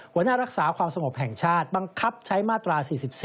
หวันหน้ารักษาความสมบเนินแห่งชาติบังคับใช้มาตรา๔๔